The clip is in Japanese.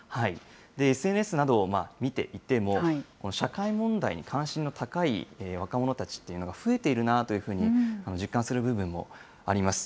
ＳＮＳなどを見ていても、社会問題に関心の高い若者たちというのが増えているなというふうに、実感する部分もあります。